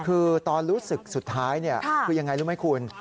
คือตอนรู้สึกสุดท้ายคือยังไงรู้ไหมคุณ